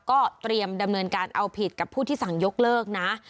ก็เตรียมดำเนินการเอาผิดกับผู้ที่สั่งยกเลิกนะ